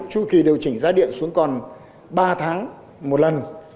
tru kỳ điều chỉnh giá điện xuống còn ba tháng một lần